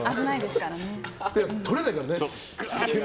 とれないからね。